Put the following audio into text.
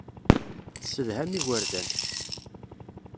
Tessedham igerdan.